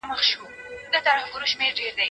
زما نظریې د ټولنې د بدلون په اړه خوندورې دي.